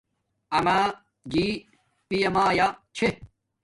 آما جی پیا مایا چھے